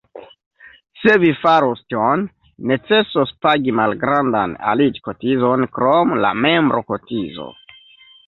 Se vi faros tion, necesos pagi malgrandan aliĝ-kotizon krom la membro-kotizo.